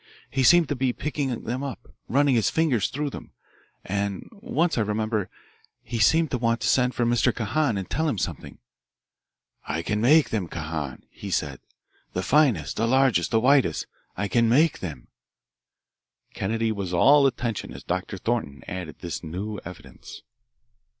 He seemed to be picking them up, running his fingers through them, and once I remember he seemed to want to send for Mr. Kahan and tell him something. 'I can make them, Kahan,' he said, 'the finest, the largest, the whitest I can make them.'" Kennedy was all attention as Dr. Thornton added this new evidence.